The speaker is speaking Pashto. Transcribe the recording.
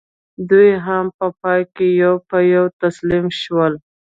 دوی هم په پای کې یو په یو تسلیم شول.